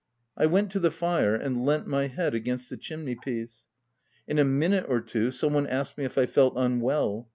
I went to the fire and leant my head against the chimney piece. In a minute or two, some one asked me if I felt unwell.